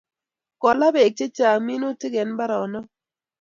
Kolaa peek che chang minutik eng' mbaronik